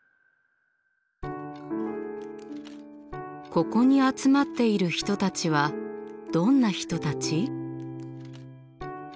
ここに集まっている人たちはどんな人たち？